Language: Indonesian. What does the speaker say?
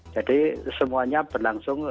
jadi semuanya berlangsung